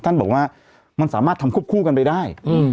ท่านบอกว่ามันสามารถทำควบคู่กันไปได้